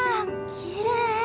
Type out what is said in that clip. きれい！